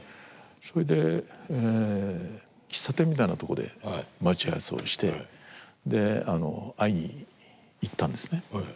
それで喫茶店みたいなとこで待ち合わせをしてで会いに行ったんですね。